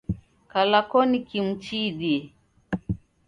Kala koni kimu chiidie.